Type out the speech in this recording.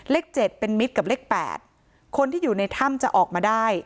เลขเจ็ดเป็นมิตรกับเลข๘คนที่อยู่ในถ้ำจะออกมาได้